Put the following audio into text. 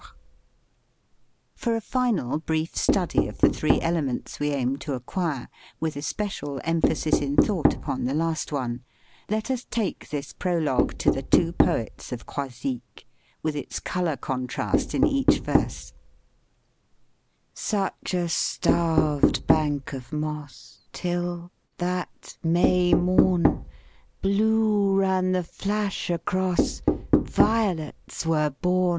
76 STUDY IN TONE COLOR For a final brief study of the three ele ments we aim to acquire, with especial em phasis in thought upon the last one, let us take this prologue to "The Two Poets of Croisic," with its color contrast in each verse: s " Such a starved bank of moss Till that May morn, Blue ran the flash across: Violets were born!